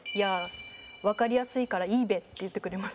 「わかりやすいからいいべ」って言ってくれます。